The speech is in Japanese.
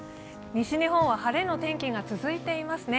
西日本は晴れの天気が続いていますね。